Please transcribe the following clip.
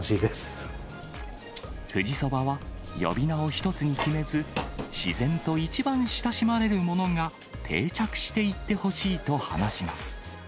富士そばは、呼び名を１つに決めず、自然と一番親しまれるものが定着していってほしいと話します。